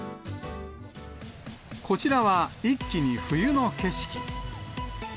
こちらは、一気に冬の景色。